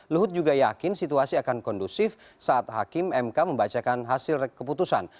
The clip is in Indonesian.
luhut juga yakin situasi akan kondusif saat hakim mk membacakan hasil keputusan